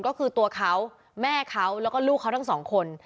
ก็คือตัวเขาแม่เขาแล้วก็ลูกเขาทั้งสองคน